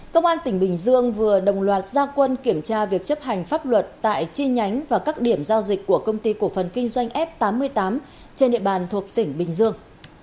công an tỉnh bình dương vừa đồng loạt gia quân kiểm tra việc chấp hành pháp luật tại chi nhánh và các điểm giao dịch của công ty cổ phần kinh doanh f tám mươi tám trên địa bàn thuộc tỉnh bình dương